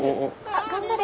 あっ頑張れ。